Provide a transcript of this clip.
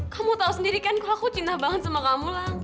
kamu tahu sendiri kan kalau aku cinta banget sama kamu lah